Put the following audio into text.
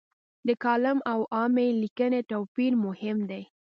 د کالم او عامې لیکنې توپیر مهم دی.